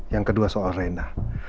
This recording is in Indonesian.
yang kedua soal reina